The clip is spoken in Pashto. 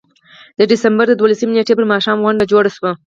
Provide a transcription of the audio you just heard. د ډسمبر د دولسمې نېټې پر ماښام غونډه جوړه شوه.